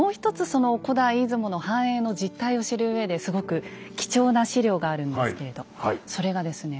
その古代出雲の繁栄の実態を知るうえですごく貴重な史料があるんですけれどそれがですね